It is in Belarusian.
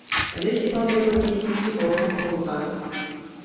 Але хіба трэба з нейкім псіхолагам пагутарыць.